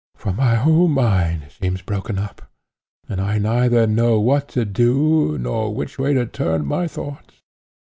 for my whole mind seems broken up, and I neither know what to do, nor which way to turn my thoughts.